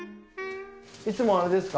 いつもあれですか？